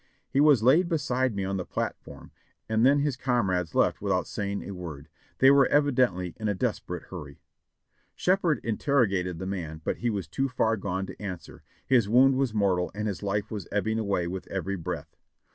He was laid beside me on the platform, and then his comrades left without saying a word. They were evidently in a desperate hurry. Shepherd interrogated the man, but he was too far gone to answer; his wound wds mortal and his life was ebbing away with every breath.